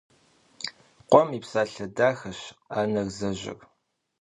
Къуэм и псалъэ дахэщ анэр зэжьэр.